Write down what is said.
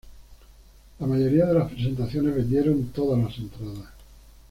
La mayoría de las presentaciones vendieron todas las entradas.